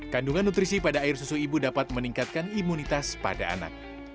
kandungan nutrisi pada air susu ibu dapat meningkatkan imunitas pada anak